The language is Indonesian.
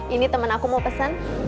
ini teman aku mau pesen